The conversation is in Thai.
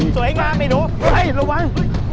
สวยงามเนี่ยหนูระวัง